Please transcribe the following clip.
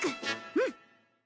うん！